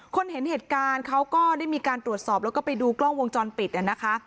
คนเห็นเหตุการณ์เขาก็ได้มีการตรวจสอบแล้วก็ไปดูกล้องวงจรปิดนะคะ